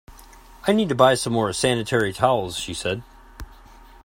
I need to buy some more sanitary towels, she said